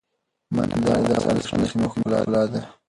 منی د افغانستان د شنو سیمو ښکلا ده.